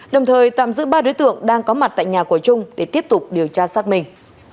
đồng thời tạm giữ ba đối tượng đang có mặt tại nhà của trung để tiếp tục điều tra xác minh